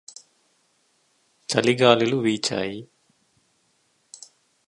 చలిగాలులు వీచాయి